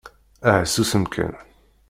Ah susem kan!